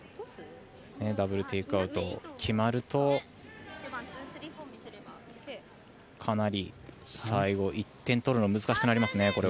ダブル・テイクアウトが決まるとかなり最後、１点取るのが難しくなりますね。